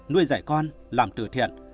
nuôi dạy con làm từ thiện